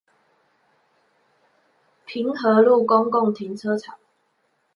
平和路公共停車場